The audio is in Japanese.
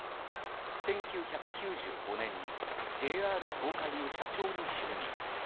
１９９５年にＪＲ東海の社長に就任。